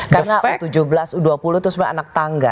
karena u tujuh belas u dua puluh itu sebenarnya anak tangga